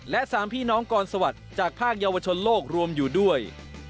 และ๓พี่น้องกรสวัสดิ์จากภาคเยาวชนโลกรวมอยู่ด้วย